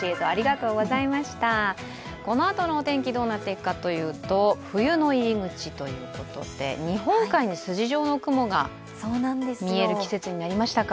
このあとのお天気どうなっていくかというと冬の入り口ということで日本海に筋状の雲が見える季節になりましたか。